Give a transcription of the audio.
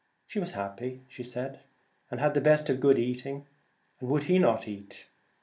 She was happy, she Twilight, said, and had the best of good eating, and would he not eat ?